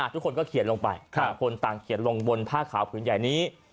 ทุกคนก็เป็นคนเขียนลงไปเอาคต่างลงบนผ้าขาวผื่นใหญ่นี้